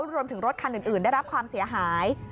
รวมถึงรถคันอื่นได้รับความเสียหาย